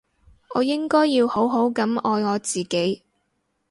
我應該要好好噉愛我自己